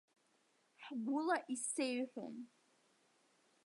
Ҳгәыла исеиҳәон.